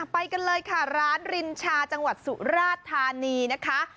ไปกันเลยค่ะร้านรินชาจังหวัดสุราธานีนะคะ